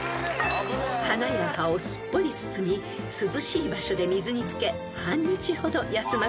［花や葉をすっぽり包み涼しい場所で水につけ半日ほど休ませます］